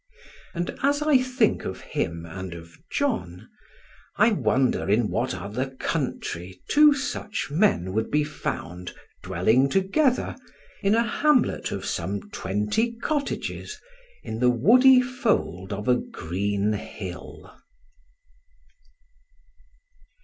And as I think of him and of John, I wonder in what other country two such men would be found dwelling together, in a hamlet of some twenty cottages, in the woody fold of a green hill.